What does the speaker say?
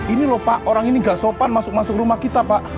ini loh pak orang ini gak sopan masuk masuk rumah kita pak